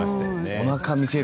おなかを見せる。